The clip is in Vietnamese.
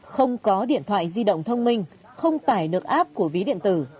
không có điện thoại di động thông minh không tải được app của ví điện tử